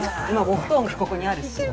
お布団がここにあるし。